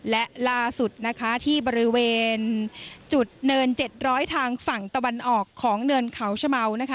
และล่าสุดนะคะที่บริเวณจุดเนิน๗๐๐ทางฝั่งตะวันออกของเนินเขาชะเมานะคะ